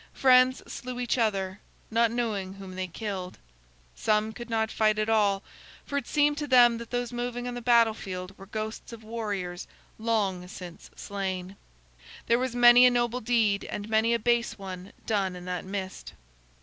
Friends slew each other, not knowing whom they killed. Some could not fight at all, for it seemed to them that those moving on the battle field were ghosts of warriors long since slain. There was many a noble deed and many a base one done in that mist.